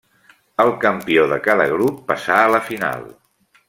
El campió de cada grup passà a la final.